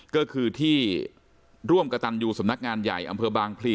ก็คือที่ร่วมกระตันยูสำนักงานใหญ่อำเภอบางพลี